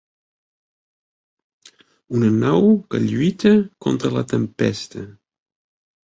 Una nau que lluita contra la tempesta.